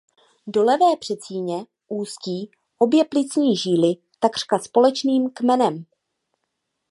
Do levé předsíně ústí obě plicní žíly takřka společným kmenem.